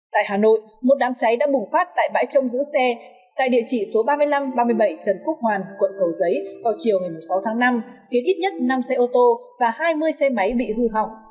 tại hà nội một đám cháy đã bùng phát tại bãi trông giữ xe tại địa chỉ số ba mươi năm ba mươi bảy trần quốc hoàn quận cầu giấy vào chiều ngày sáu tháng năm khiến ít nhất năm xe ô tô và hai mươi xe máy bị hư hỏng